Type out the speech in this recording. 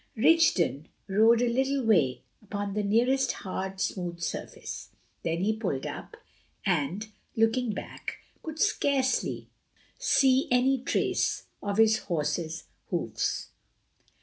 Rigden rode a little way upon the nearest hard, smooth surface; then he pulled up, and, looking back, could see scarcely any trace of his horse's hoofs.